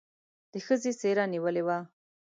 د ښځې څېره نېولې وه.